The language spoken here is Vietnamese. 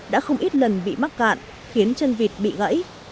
đã không ít lần bị mắc cạn khiến chân vịt bị gãy